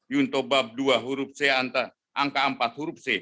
yunto bab dua huruf c angka empat huruf c